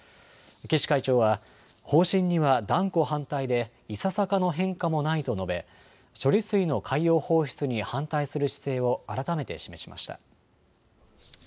岸会長は方針には断固反対でいささかの変化もないと述べ処理水の海洋放出に反対する姿勢を改めて示しました。